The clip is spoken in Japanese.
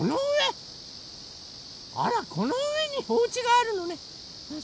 あらこのうえにおうちがあるのね。